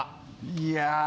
いや。